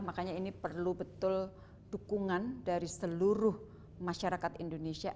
makanya ini perlu betul dukungan dari seluruh masyarakat indonesia